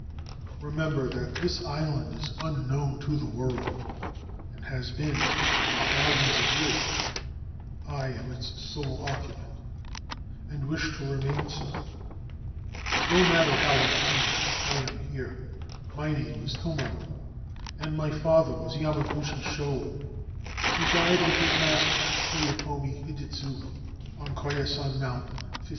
Re member that this island is unknown to the world and has been for thousands of years. I am its sole occupant, and wish to remain so. No matter how I came. I am here My name is Tomaru, and my father was Yamaguch: Shoun, who died, with his master Toyotomi Hidetsugu, on Koyasan Mountain in 1563.